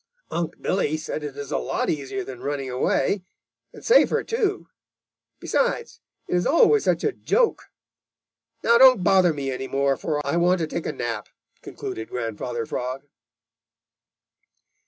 Unc' Billy says it is a lot easier than running away, and safer, too. Besides, it is always such a joke. Now, don't bother me any more, for I want to take a nap," concluded Grandfather Frog.